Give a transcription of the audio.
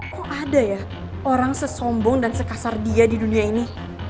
kok ada ya orang sesombong dan sekasar dia di dunia ini